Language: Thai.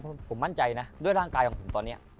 ผมมั่นใจนะด้วยร่างกายของผมตอนนี้